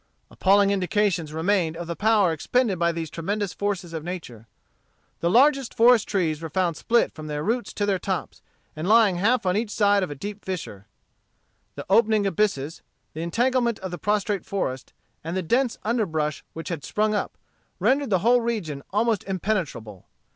Appalling indications remained of the power expended by these tremendous forces of nature. The largest forest trees were found split from their roots to their tops, and lying half on each side of a deep fissure. The opening abysses, the entanglement of the prostrate forest, and the dense underbrush which had sprung up, rendered the whole region almost impenetrable.